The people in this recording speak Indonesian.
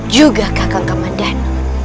juga kakak kakak mandan